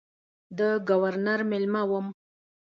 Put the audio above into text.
د ګورنر مېلمه وم.